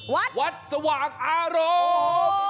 วัดสว่างอารมณ์